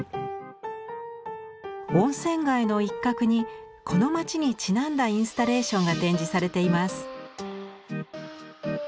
温泉街の一角にこの町にちなんだインスタレーションが展示されています。